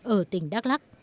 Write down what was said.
ở tỉnh đắk lắc